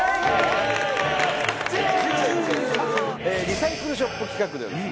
リサイクルショップ企画ではですね